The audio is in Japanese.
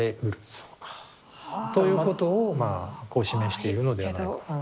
そうか。ということをまあこう示しているのではないかと。